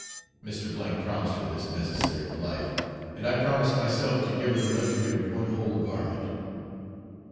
Mr. promised her this necessary of life, and I promised myself to give her the luxury of one whole garment.